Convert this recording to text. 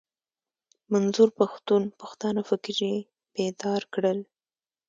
منظور پښتون پښتانه فکري بيدار کړل.